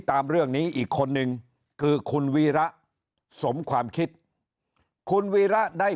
ตามเรื่องนี้อีกคนนึงคือคุณวีระสมความคิดคุณวีระได้